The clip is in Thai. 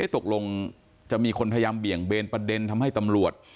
ตกลงจะมีคนพยายามเบี่ยงเบนประเด็นทำให้ตำรวจ